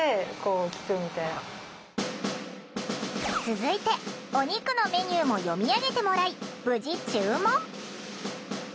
続いてお肉のメニューも読み上げてもらい無事注文。